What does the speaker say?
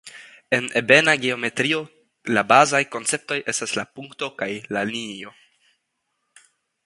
En ebena geometrio la bazaj konceptoj estas la punkto kaj la linio.